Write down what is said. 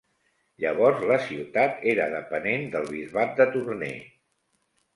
Llavors, la ciutat era depenent del bisbat de Tournai.